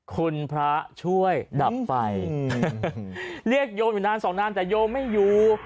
คุณพระช่วยดับไฟเรียกโยมอยู่นานสองนานแต่โยมไม่อยู่